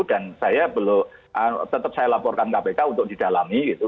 dan saya tetap saya laporkan kpk untuk didalami gitu